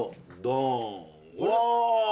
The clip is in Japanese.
うわ！